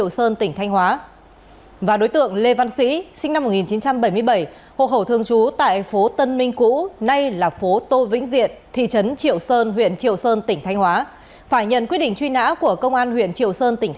xin chào và hẹn gặp lại